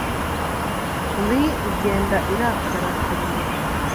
Lyle igenda irakara kabiri.